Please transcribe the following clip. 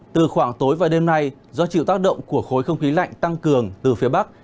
từ khoảng tối và đêm nay do chịu tác động của khối không khí lạnh tăng cường từ phía bắc